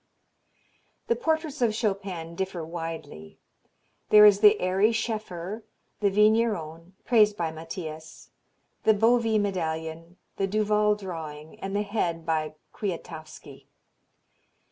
The portraits of Chopin differ widely. There is the Ary Scheffer, the Vigneron praised by Mathias the Bovy medallion, the Duval drawing, and the head by Kwiatowski.